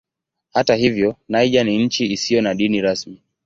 Hata hivyo Niger ni nchi isiyo na dini rasmi.